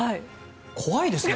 怖いですね。